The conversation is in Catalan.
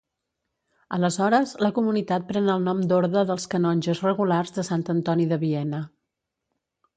Aleshores, la comunitat pren el nom d'Orde dels Canonges Regulars de Sant Antoni de Viena.